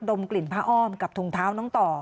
มกลิ่นผ้าอ้อมกับถุงเท้าน้องต่อ